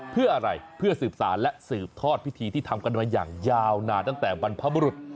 เพื่ออะไรเพื่อสืบสารและสืบทอดพิธีที่ทำกันมาอย่างยาวนานตั้งแต่บรรพบุรุษ